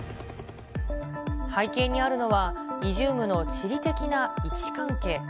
背景にあるのは、イジュームの地理的な位置関係。